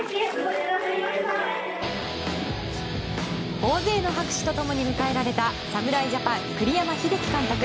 大勢の拍手と共に迎えられた侍ジャパン、栗山英樹監督。